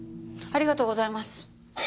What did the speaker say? ありがとうございます。